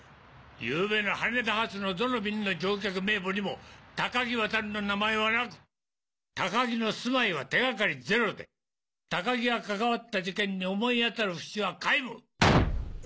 昨夜の羽田発のどの便の乗客名簿にもタカギワタルの名前はなく高木の住まいは手掛かりゼロで高木が関わった事件に思い当たる節は皆無！